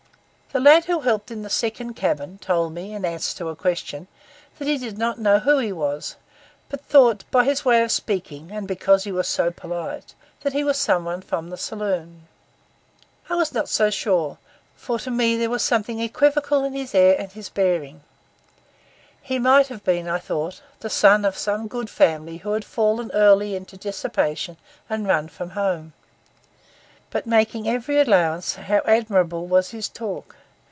The lad who helped in the second cabin told me, in answer to a question, that he did not know who he was, but thought, 'by his way of speaking, and because he was so polite, that he was some one from the saloon.' I was not so sure, for to me there was something equivocal in his air and bearing. He might have been, I thought, the son of some good family who had fallen early into dissipation and run from home. But, making every allowance, how admirable was his talk!